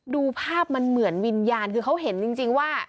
ดูภาพมันเหมือนวิญญาณคือเขาเห็นจริงว่า